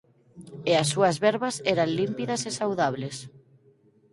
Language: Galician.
E as súas verbas eran límpidas e saudables.